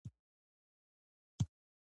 چرګان د چاپېریال سره عادت پیدا کوي.